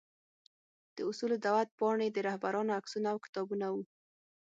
د اصول دعوت پاڼې، د رهبرانو عکسونه او کتابونه وو.